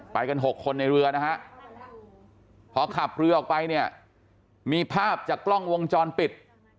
กัน๖คนในเรือนะฮะพอขับเรือออกไปเนี่ยมีภาพจากกล้องวงจรปิด